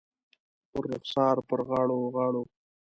پر رخسار، پر غاړو ، غاړو